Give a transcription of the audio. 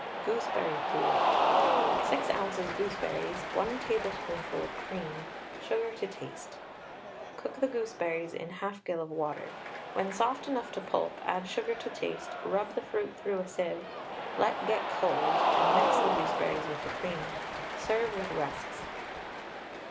GOOSEBERRY POOL. 6 oz. gooseberries, 1 tablespoonful of cream, sugar to taste. Cook the goose berries in 1/2 gill of water; when soft enough to pulp, add sugar to taste; rub the fruit through a sieve, let get cold, and mix the gooseberries with the cream. Serve with rusks.